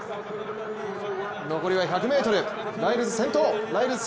残りは１００ｍ、ライルズ先頭。